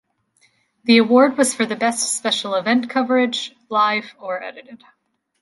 The award was for the best special event coverage, live or edited.